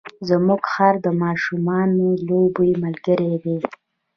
زموږ خر د ماشومانو د لوبو ملګری دی.